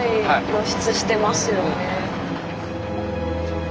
露出してますよね。